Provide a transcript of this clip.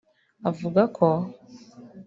avuga ko